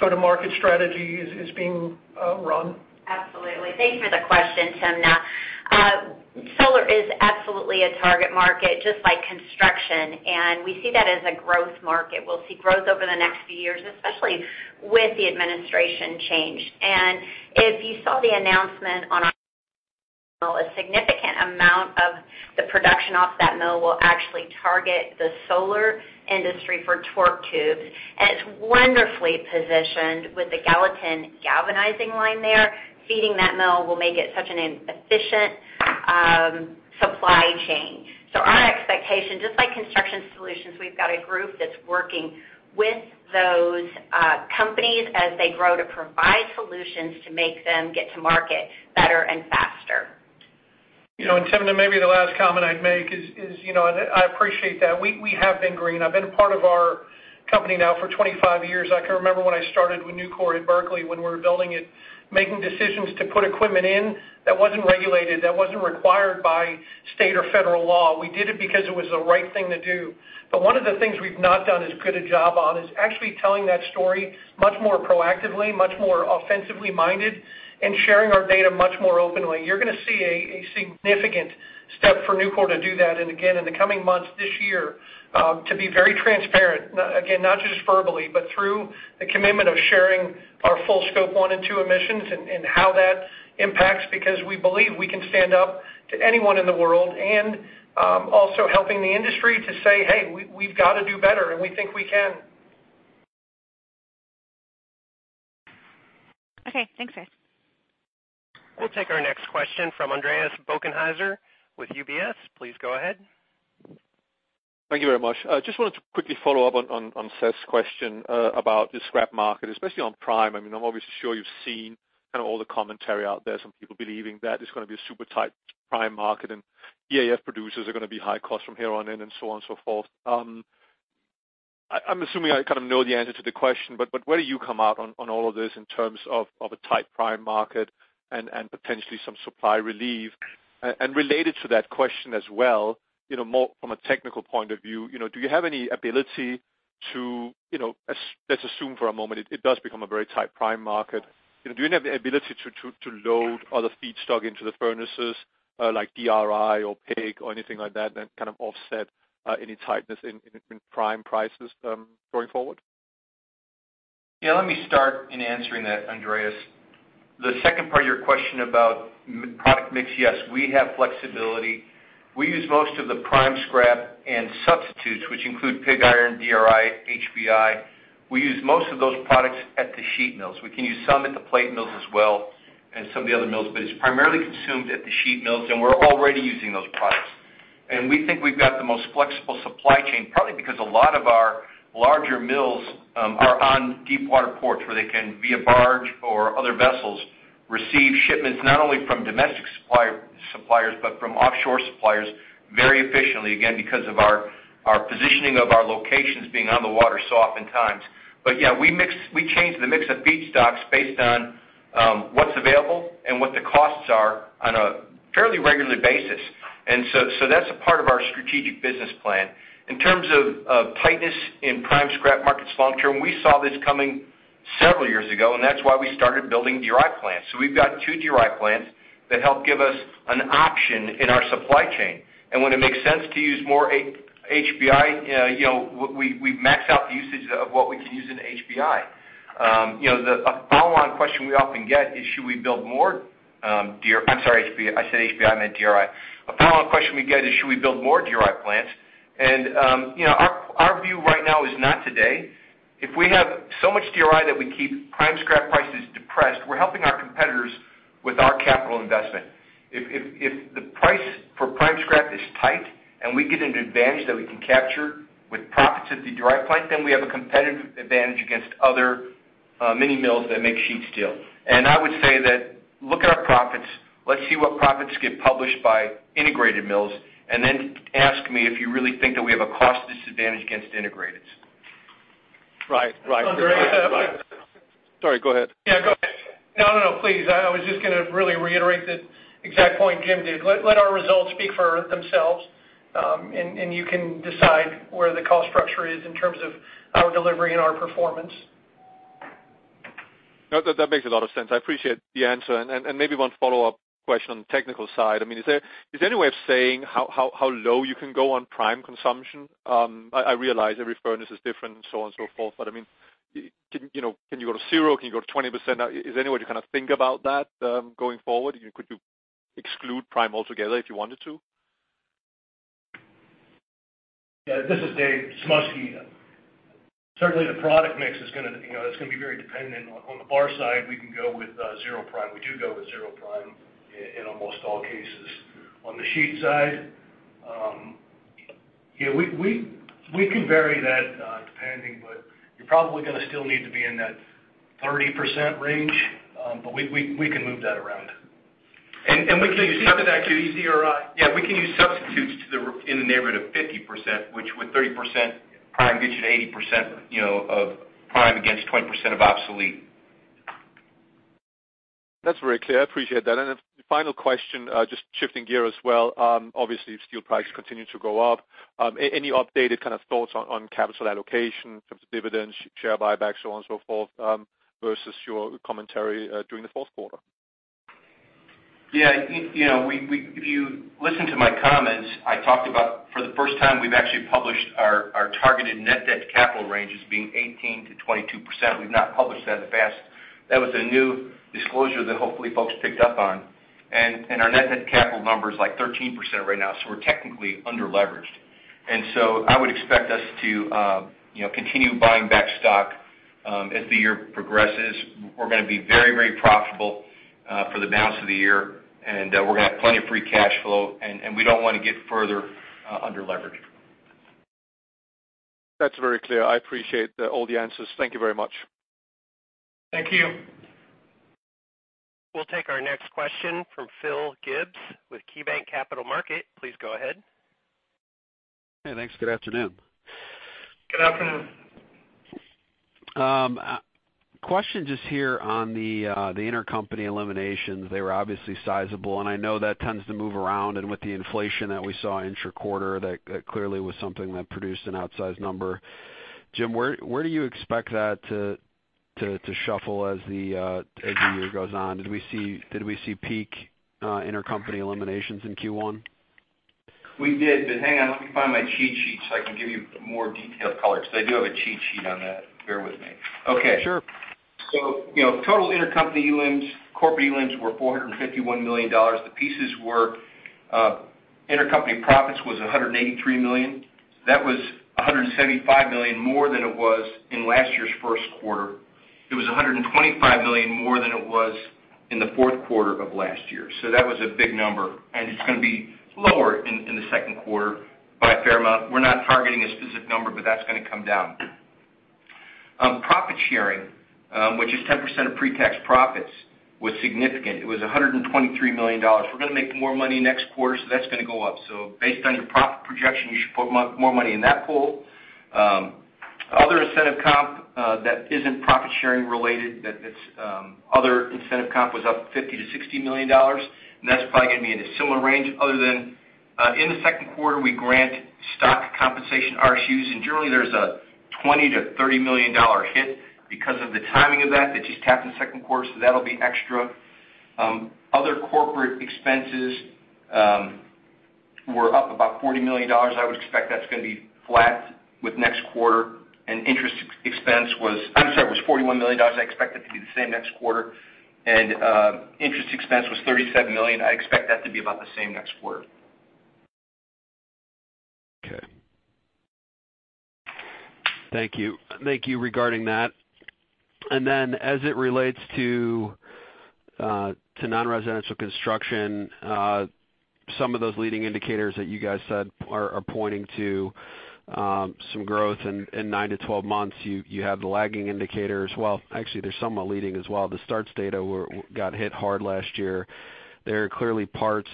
go-to-market strategy is being run? Absolutely. Thanks for the question, Timna. Solar is absolutely a target market, just like construction. We see that as a growth market. We'll see growth over the next few years, especially with the administration change. If you saw the announcement on our a significant amount of the production off that mill will actually target the solar industry for torque tubes. It's wonderfully positioned with the Gallatin galvanizing line there. Feeding that mill will make it such an efficient supply chain. Our expectation, just like Construction Solutions, we've got a group that's working with those companies as they grow to provide solutions to make them get to market better and faster. Timna, maybe the last comment I'd make is, I appreciate that. We have been green. I've been a part of our company now for 25 years. I can remember when I started with Nucor at Berkeley, when we were building it, making decisions to put equipment in that wasn't regulated, that wasn't required by state or federal law. We did it because it was the right thing to do. One of the things we've not done as good a job on is actually telling that story much more proactively, much more offensively-minded, and sharing our data much more openly. You're going to see a significant step for Nucor to do that, and again, in the coming months this year, to be very transparent. Not just verbally, but through the commitment of sharing our full Scope 1 and 2 emissions and how that impacts, because we believe we can stand up to anyone in the world, and also helping the industry to say, "Hey, we've got to do better, and we think we can. Okay. Thanks, guys. We'll take our next question from Andreas Bokkenheuser with UBS. Please go ahead. Thank you very much. Just wanted to quickly follow up on Seth's question about the scrap market, especially on prime. I'm obviously sure you've seen all the commentary out there, some people believing that it's gonna be a super tight prime market, and EAF producers are gonna be high cost from here on in and so on and so forth. I'm assuming I kind of know the answer to the question, but where do you come out on all of this in terms of a tight prime market and potentially some supply relief? Related to that question as well, from a technical point of view, let's assume for a moment it does become a very tight prime market. Do you have the ability to load other feedstock into the furnaces, like DRI or pig or anything like that kind of offset any tightness in prime prices going forward? Yeah, let me start in answering that, Andreas. The second part of your question about product mix, yes, we have flexibility. We use most of the prime scrap and substitutes, which include pig iron, DRI, HBI. We use most of those products at the sheet mills. We can use some at the plate mills as well and some of the other mills, but it's primarily consumed at the sheet mills, and we're already using those products. We think we've got the most flexible supply chain, partly because a lot of our larger mills are on deep water ports where they can, via barge or other vessels, receive shipments, not only from domestic suppliers, but from offshore suppliers very efficiently, again, because of our positioning of our locations being on the water so oftentimes. Yeah, we change the mix of feedstocks based on what's available and what the costs are on a fairly regular basis. That's a part of our strategic business plan. In terms of tightness in prime scrap markets long-term, we saw this coming several years ago, and that's why we started building DRI plants. We've got two DRI plants that help give us an option in our supply chain. When it makes sense to use more HBI, we max out the usage of what we can use in HBI. A follow-on question we often get is should we build more, I'm sorry, I said HBI, I meant DRI. A follow-up question we get is should we build more DRI plants? Our view right now is not today. If we have so much DRI that we keep prime scrap prices depressed, we're helping our competitors with our capital investment. If the price for prime scrap is tight and we get an advantage that we can capture with profits at the DRI plant, then we have a competitive advantage against other mini mills that make sheet steel. I would say that look at our profits. Let's see what profits get published by integrated mills, and then ask me if you really think that we have a cost disadvantage against integrateds. Right. Andreas. Sorry, go ahead. Yeah, go ahead. No, please. I was just gonna really reiterate the exact point Jim did. Let our results speak for themselves, and you can decide where the cost structure is in terms of our delivery and our performance. No, that makes a lot of sense. I appreciate the answer. Maybe one follow-up question on the technical side. Is there any way of saying how low you can go on prime consumption? I realize every furnace is different and so on and so forth, but can you go to zero? Can you go to 20%? Is there any way to think about that going forward? Could you exclude prime altogether if you wanted to? Yeah, this is Dave Sumoski. Certainly, the product mix is gonna be very dependent. On the bar side, we can go with zero prime. We do go with zero prime in almost all cases. On the sheet side, we can vary that, depending, you're probably gonna still need to be in that 30% range. We can move that around. We can use substitutes. Can you repeat that, excuse me? Yeah, we can use substitutes in the neighborhood of 50%, which with 30% prime gives you 80% of prime against 20% of obsolete. That's very clear. I appreciate that. Final question, just shifting gears as well. Obviously, steel prices continue to go up. Any updated kind of thoughts on capital allocation in terms of dividends, share buybacks, so on and so forth, versus your commentary during the fourth quarter? Yeah. If you listen to my comments, I talked about for the first time, we've actually published our targeted net debt to capital ranges being 18%-22%. We've not published that in the past. That was a new disclosure that hopefully folks picked up on. Our net debt to capital number is like 13% right now, so we're technically under-leveraged. I would expect us to continue buying back stock as the year progresses. We're going to be very profitable for the balance of the year, and we're going to have plenty of free cash flow, and we don't want to get further under-leveraged. That's very clear. I appreciate all the answers. Thank you very much. Thank you. We'll take our next question from Phil Gibbs with KeyBanc Capital Markets. Please go ahead. Hey, thanks. Good afternoon. Good afternoon. Question just here on the intercompany eliminations. They were obviously sizable, and I know that tends to move around, and with the inflation that we saw intra-quarter, that clearly was something that produced an outsized number. Jim, where do you expect that to shuffle as the year goes on? Did we see peak intercompany eliminations in Q1? We did, but hang on, let me find my cheat sheet so I can give you more detailed color, because I do have a cheat sheet on that. Bear with me. Okay. Sure. Total intercompany elims, corporate elims were $451 million. The pieces were intercompany profits was $183 million. That was $175 million more than it was in last year's first quarter. It was $125 million more than it was in the fourth quarter of last year. That was a big number, and it's going to be lower in the second quarter by a fair amount. We're not targeting a specific number, but that's going to come down. Profit sharing, which is 10% of pre-tax profits, was significant. It was $123 million. We're going to make more money next quarter, so that's going to go up. Based on your profit projection, you should put more money in that pool. Other incentive comp that isn't profit-sharing related, that's other incentive comp was up $50 million-$60 million, and that's probably going to be in a similar range other than in the second quarter, we grant stock compensation RSUs, and generally there's a $20 million-$30 million hit because of the timing of that's just tapped in the second quarter, so that'll be extra. Other corporate expenses were up about $40 million. I would expect that's going to be flat with next quarter. Interest expense was, I'm sorry, it was $41 million. I expect that to be the same next quarter. Interest expense was $37 million. I expect that to be about the same next quarter. Okay. Thank you. Thank you regarding that. As it relates to non-residential construction, some of those leading indicators that you guys said are pointing to some growth in 9-12 months. You have the lagging indicator as well. Actually, there's somewhat leading as well. The starts data got hit hard last year. There are clearly parts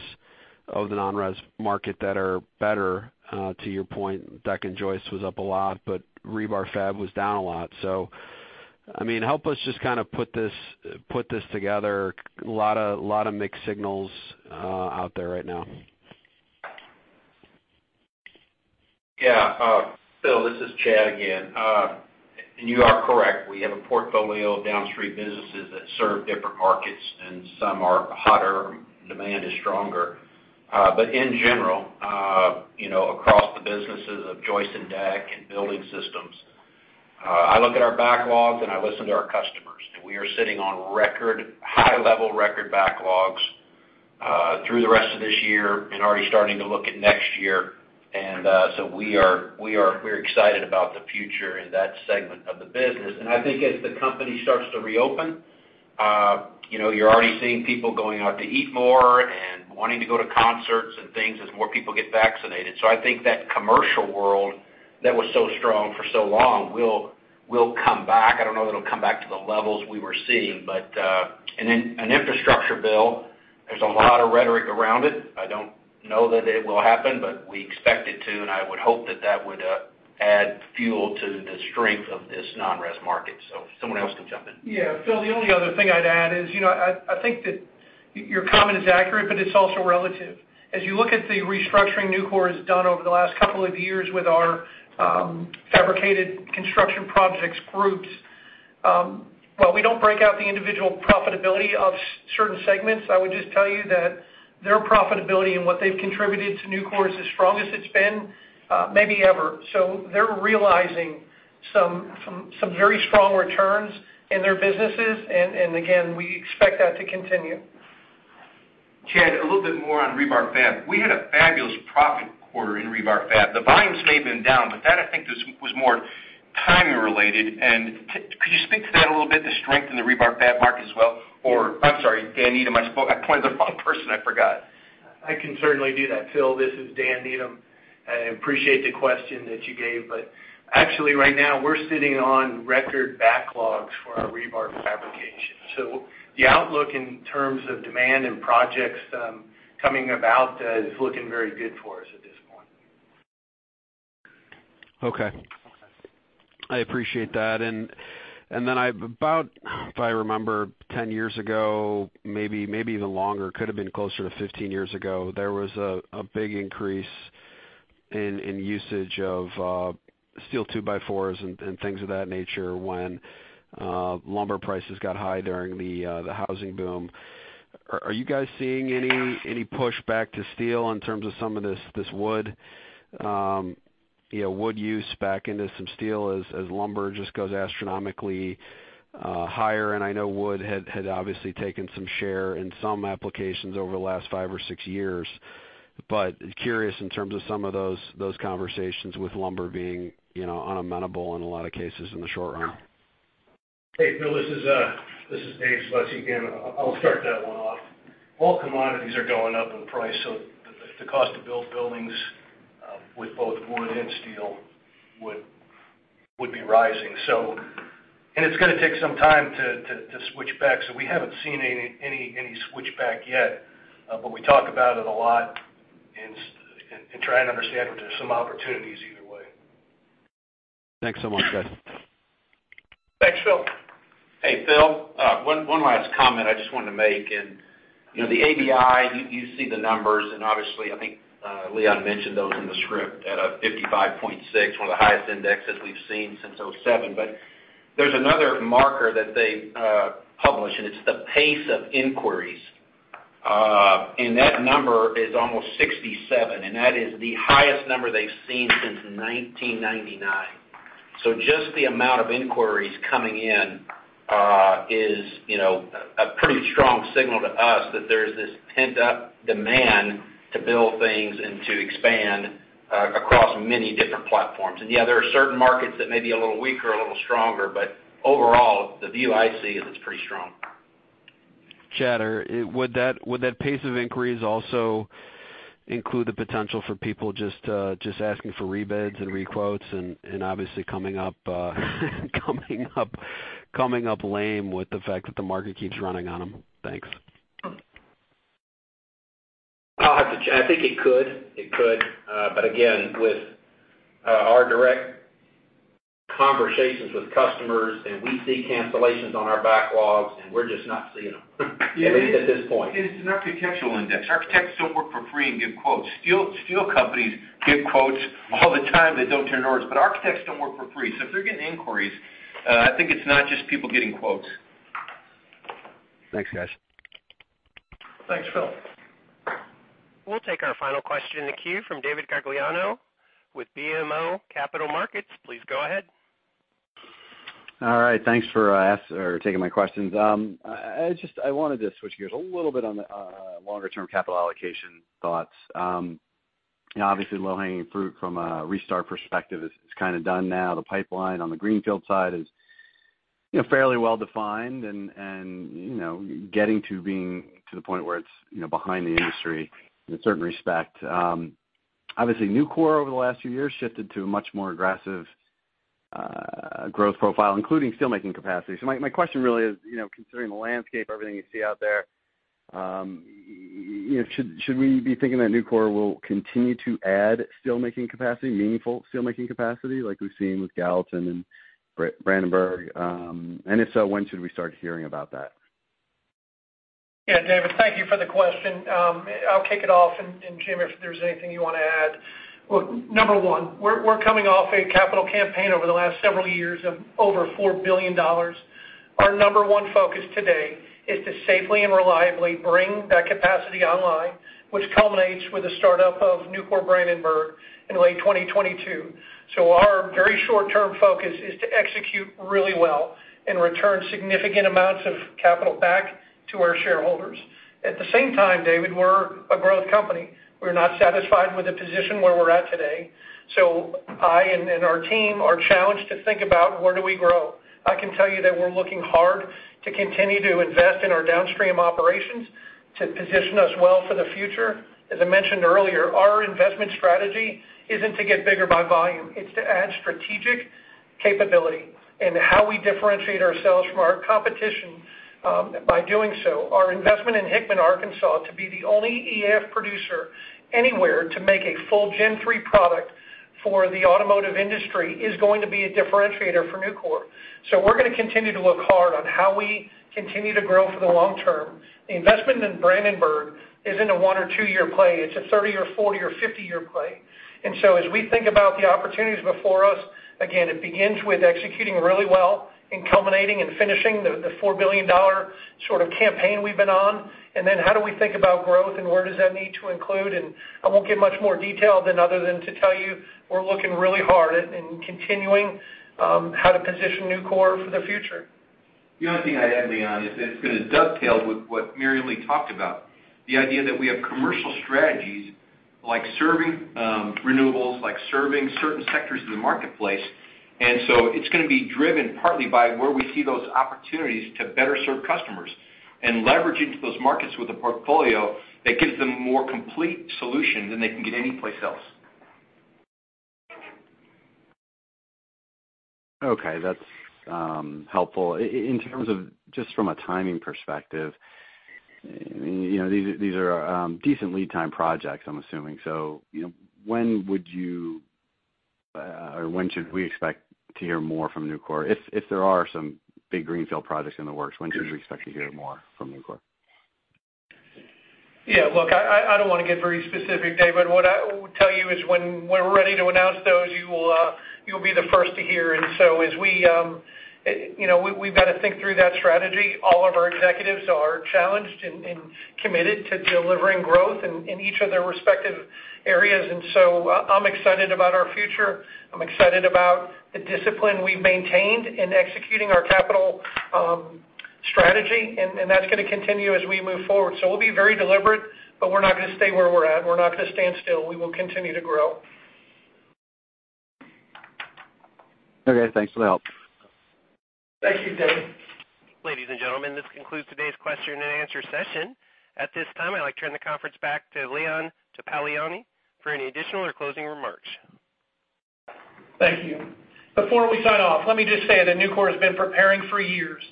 of the non-res market that are better. To your point, deck and joists was up a lot, but rebar fab was down a lot. Help us just kind of put this together. Lot of mixed signals out there right now. Yeah. Phil, this is Chad again. You are correct. We have a portfolio of downstream businesses that serve different markets, and some are hotter, demand is stronger. In general, across the businesses of joist and deck and building systems, I look at our backlogs and I listen to our customers, and we are sitting on high level record backlogs through the rest of this year and already starting to look at next year. We're excited about the future in that segment of the business. I think as the company starts to reopen, you're already seeing people going out to eat more and wanting to go to concerts and things as more people get vaccinated. I think that commercial world that was so strong for so long will come back. I don't know that it'll come back to the levels we were seeing. An infrastructure bill, there's a lot of rhetoric around it. I don't know that it will happen, but we expect it to, and I would hope that that would add fuel to the strength of this non-res market. Someone else can jump in. Yeah. Phil, the only other thing I'd add is I think that your comment is accurate, but it's also relative. As you look at the restructuring Nucor has done over the last couple of years with our Fabricated Construction Products groups, while we don't break out the individual profitability of certain segments, I would just tell you that their profitability and what they've contributed to Nucor is the strongest it's been maybe ever. They're realizing some very strong returns in their businesses. Again, we expect that to continue. Chad, a little bit more on rebar fab. We had a fabulous profit quarter in rebar fab. The volumes may have been down, but that I think was more timing related. Could you speak to that a little bit, the strength in the rebar fab market as well? I'm sorry, Dan Needham, I pointed the wrong person, I forgot. I can certainly do that. Phil, this is Dan Needham. I appreciate the question that you gave, actually right now, we're sitting on record backlogs for our rebar fabrication. The outlook in terms of demand and projects coming about is looking very good for us at this point. Okay. I appreciate that. If I remember, 10 years ago, maybe even longer, could've been closer to 15 years ago, there was a big increase in usage of steel two-by-fours and things of that nature when lumber prices got high during the housing boom. Are you guys seeing any push back to steel in terms of some of this wood use back into some steel as lumber just goes astronomically higher? I know wood had obviously taken some share in some applications over the last five or six years, but curious in terms of some of those conversations with lumber being unavailable in a lot of cases in the short run. Hey, Phil, this is Dave Sumoski again. I'll start that one off. All commodities are going up in price, so the cost to build buildings with both wood and steel would be rising. It's going to take some time to switch back, so we haven't seen any switch back yet, but we talk about it a lot and try and understand if there's some opportunities either way. Thanks so much, guys. Thanks, Phil. Hey, Phil. One last comment I just wanted to make. In the ABI, you see the numbers, and obviously, I think Leon mentioned those in the script at a 55.6, one of the highest indexes we've seen since 2007. There's another marker that they publish, and it's the pace of inquiries. That number is almost 67, and that is the highest number they've seen since 1999. Just the amount of inquiries coming in is a pretty strong signal to us that there's this pent-up demand to build things and to expand across many different platforms. Yeah, there are certain markets that may be a little weaker or a little stronger, but overall, the view I see is it's pretty strong. Chad, would that pace of inquiries also include the potential for people just asking for re-bids and re-quotes and obviously coming up lame with the fact that the market keeps running on them? Thanks. I think it could. Again, with our direct conversations with customers, and we see cancellations on our backlogs, and we're just not seeing them, at least at this point. It's an architectural index. Architects don't work for free and give quotes. Steel companies give quotes all the time that don't turn to orders, but architects don't work for free. If they're getting inquiries, I think it's not just people getting quotes. Thanks, guys. Thanks, Phil. We'll take our final question in the queue from David Gagliano with BMO Capital Markets. Please go ahead. All right. Thanks for taking my questions. I wanted to switch gears a little bit on the longer-term capital allocation thoughts. The low-hanging fruit from a restart perspective is kind of done now. The pipeline on the Greenfield side is fairly well-defined and getting to being to the point where it's behind the industry in a certain respect. Nucor over the last few years shifted to a much more aggressive growth profile, including steelmaking capacity. My question really is, considering the landscape, everything you see out there, should we be thinking that Nucor will continue to add steelmaking capacity, meaningful steelmaking capacity, like we've seen with Gallatin and Brandenburg? If so, when should we start hearing about that? Yeah, David, thank you for the question. I'll kick it off, and Jim, if there's anything you want to add. Look, number one, we're coming off a capital campaign over the last several years of over $4 billion. Our number one focus today is to safely and reliably bring that capacity online, which culminates with the startup of Nucor Brandenburg in late 2022. Our very short-term focus is to execute really well and return significant amounts of capital back to our shareholders. At the same time, David, we're a growth company. We're not satisfied with the position where we're at today. I and our team are challenged to think about where do we grow. I can tell you that we're looking hard to continue to invest in our downstream operations to position us well for the future. As I mentioned earlier, our investment strategy isn't to get bigger by volume. It's to add strategic capability and how we differentiate ourselves from our competition by doing so. Our investment in Hickman, Arkansas, to be the only EAF producer anywhere to make a full Gen 3 product for the automotive industry is going to be a differentiator for Nucor. We're going to continue to look hard on how we continue to grow for the long term. The investment in Brandenburg isn't a one- or two-year play. It's a 30- or 40- or 50-year play. As we think about the opportunities before us, again, it begins with executing really well and culminating and finishing the $4 billion campaign we've been on. How do we think about growth and where does that need to include? I won't give much more detail than other than to tell you we're looking really hard at continuing how to position Nucor for the future. The only thing I'd add, Leon, is it kind of dovetails with what MaryEmily talked about, the idea that we have commercial strategies- Like serving renewables, like serving certain sectors of the marketplace. It's going to be driven partly by where we see those opportunities to better serve customers and leveraging those markets with a portfolio that gives them a more complete solution than they can get anyplace else. Okay, that's helpful. In terms of just from a timing perspective, these are decent lead time projects, I'm assuming. When should we expect to hear more from Nucor? If there are some big greenfield projects in the works, when should we expect to hear more from Nucor? Yeah, look, I don't want to get very specific, David. What I will tell you is when we're ready to announce those, you'll be the first to hear. We've got to think through that strategy. All of our executives are challenged and committed to delivering growth in each of their respective areas. I'm excited about our future. I'm excited about the discipline we've maintained in executing our capital strategy, and that's going to continue as we move forward. We'll be very deliberate, but we're not going to stay where we're at. We're not going to stand still. We will continue to grow. Okay. Thanks for the help. Thank you, David. Ladies and gentlemen, this concludes today's question and answer session. At this time, I'd like to turn the conference back to Leon Topalian for any additional or closing remarks. Thank you. Before we sign off, let me just say that Nucor has been preparing for years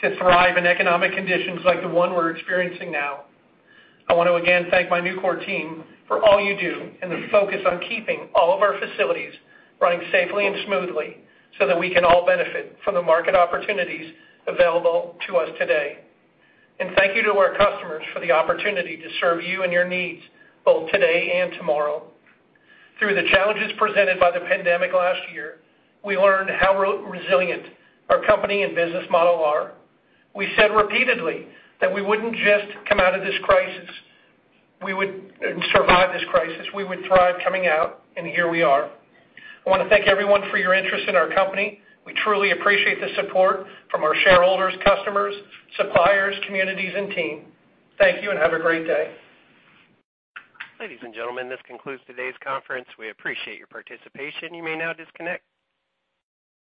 to thrive in economic conditions like the one we're experiencing now. I want to again thank my Nucor team for all you do and the focus on keeping all of our facilities running safely and smoothly so that we can all benefit from the market opportunities available to us today. Thank you to our customers for the opportunity to serve you and your needs, both today and tomorrow. Through the challenges presented by the pandemic last year, we learned how resilient our company and business model are. We said repeatedly that we wouldn't just come out of this crisis, we would survive this crisis, we would thrive coming out, and here we are. I want to thank everyone for your interest in our company. We truly appreciate the support from our shareholders, customers, suppliers, communities, and team. Thank you and have a great day. Ladies and gentlemen, this concludes today's conference. We appreciate your participation. You may now disconnect.